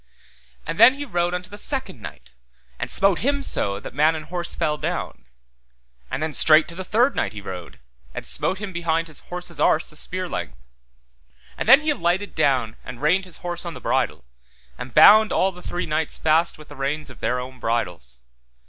And then he rode unto the second knight, and smote him so that man and horse fell down. And then straight to the third knight he rode, and smote him behind his horse's arse a spear length. And then he alighted down and reined his horse on the bridle, and bound all the three knights fast with the reins of their own bridles.